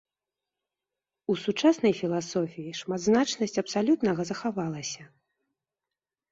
У сучаснай філасофіі шматзначнасць абсалютнага захавалася.